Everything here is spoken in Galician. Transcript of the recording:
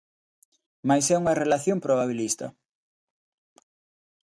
Mais é unha relación probabilista.